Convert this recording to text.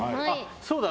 そうだ。